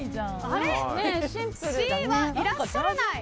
Ｃはいらっしゃらない？